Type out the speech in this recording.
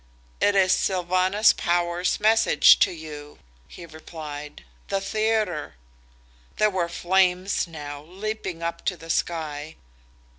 "It is Sylvanus Power's message to you," he replied. "The theatre!" There were flames now, leaping up to the sky.